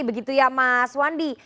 begitu ya mas wandi